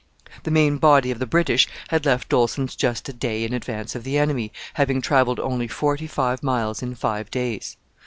The main body of the British had left Dolsen's just a day in advance of the enemy, having travelled only forty five miles in five days.